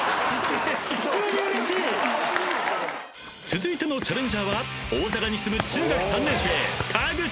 ［続いてのチャレンジャーは大阪に住む］